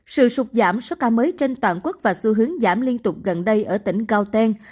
sự sụt giảm số ca mới trên toàn quốc và xu hướng giảm liên tục gần đây ở tỉnh caoten